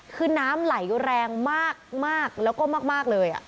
คือน้ำไหลแรงมากแล้วก็มากเลย